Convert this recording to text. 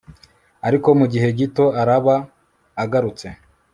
ariko mu gihe gito araba agarutse